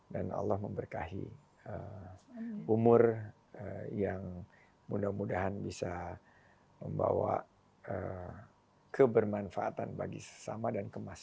dan allah memberkahi umur yang mudah mudahan bisa membawa kebermanfaatan bagi sesama dan kemasih